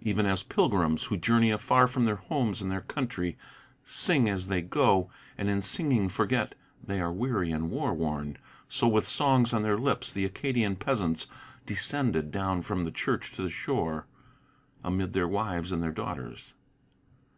Even as pilgrims, who journey afar from their homes and their country, Sing as they go, and in singing forget they are weary and wayworn, So with songs on their lips the Acadian peasants descended Down from the church to the shore, amid their wives and their daughters.